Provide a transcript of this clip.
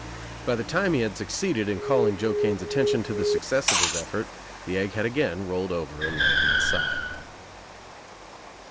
By the time he had succeeded in calling Joe Kane's attention to the success of his effort the egg had again rolled over and lay on its side.